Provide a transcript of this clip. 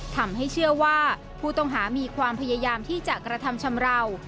ทำให้เชื่อว่าผู้ต้องหามีความพยายามที่จะกระทำชำราว